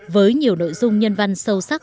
với nhiều nội dung nhân văn sâu sắc